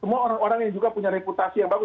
semua orang orang yang juga punya reputasi yang bagus